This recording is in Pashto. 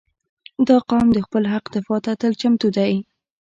• دا قوم د خپل حق دفاع ته تل چمتو دی.